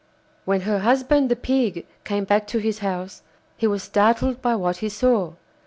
When her husband, the Pig, came back to his house, he was startled by what he saw.